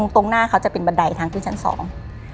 ตรงหน้าเขาจะเป็นบันไดทางขึ้นชั้นสอง